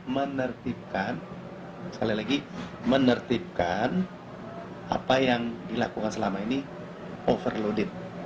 menertibkan sekali lagi menertibkan apa yang dilakukan selama ini overloaded